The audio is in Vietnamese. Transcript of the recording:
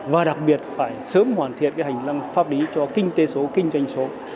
và đặc biệt phải sớm hoàn thiện cái hành lăng pháp lý cho kinh tế số kinh doanh số